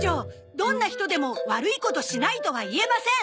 どんな人でも悪いことしないとは言えません。